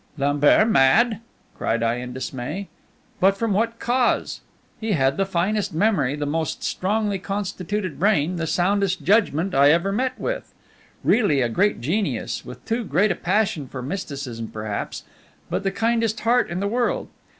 "Lambert! Mad!" cried I in dismay. "But from what cause? He had the finest memory, the most strongly constituted brain, the soundest judgment, I ever met with. Really a great genius with too great a passion for mysticism perhaps; but the kindest heart in the world.